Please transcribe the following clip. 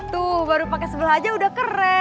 tuh baru pakai sebelah aja udah keren